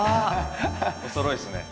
おそろいっすね。